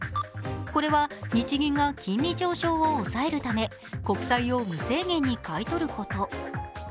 これは日銀が金利上昇を抑えるため国債を無制限に買い取ること。